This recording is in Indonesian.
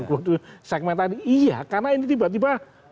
seperti yang saya katakan tadi iya karena ini tiba tiba